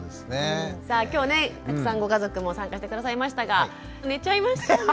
さあ今日ねたくさんご家族も参加して下さいましたが寝ちゃいましたね。